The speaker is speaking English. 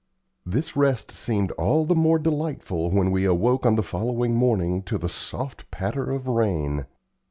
This rest seemed all the more delightful when we awoke on the following morning, to the soft patter of rain.